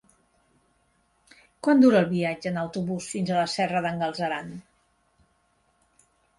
Quant dura el viatge en autobús fins a la Serra d'en Galceran?